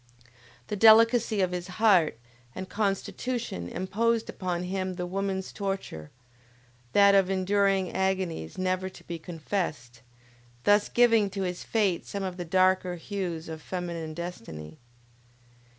The delicacy of his heart and constitution imposed upon him the woman's torture, that of enduring agonies never to be confessed, thus giving to his fate some of the darker hues of feminine destiny.